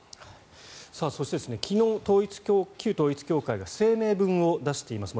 そして昨日、旧統一教会が声明文を出しています。